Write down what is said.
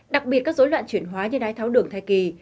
đặc biệt các dối loạn chuyển hóa như đái tháo đường thai kỳ